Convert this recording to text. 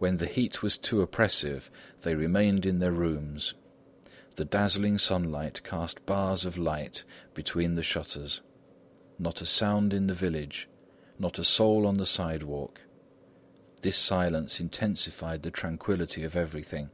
When the heat was too oppressive, they remained in their rooms. The dazzling sunlight cast bars of light between the shutters. Not a sound in the village, not a soul on the sidewalk. This silence intensified the tranquillity of everything.